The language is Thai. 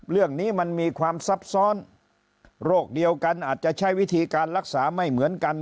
เรื่องนี้มันมีความซับซ้อนโรคเดียวกันอาจจะใช้วิธีการรักษาไม่เหมือนกัน